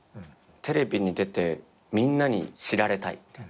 テレビに出てみんなに知られたいみたいな。